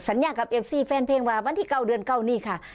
สัญญากับเอฟซีแฟนเพลงว่าวันที่๙เดือนเก้านี่ค่ะ